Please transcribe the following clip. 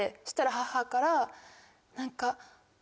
そしたら母から。